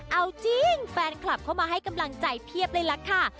เอาจริงแฟนคลับเข้ามาให้กำลังใจเพียบเลยล่ะค่ะ